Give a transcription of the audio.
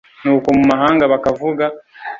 Nuko mu mahanga bakavuga